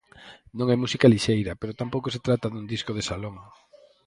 "Non é música lixeira" pero tampouco se trata "dun disco de salón".